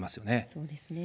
そうですね。